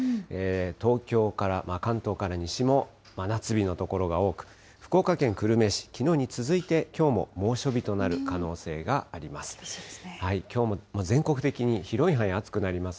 東京から、関東から西も真夏日の所が多く、福岡県久留米市、きのうに続いて、きょうも猛暑日となる可能性があります。